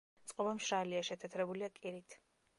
წყობა მშრალია, შეთეთრებულია კირით.